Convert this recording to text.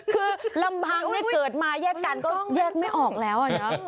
คือลำพังเกิดมาแยกกันก็แยกไม่ออกแล้ว